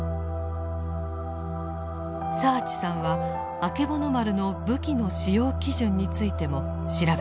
澤地さんはあけぼの丸の武器の使用基準についても調べています。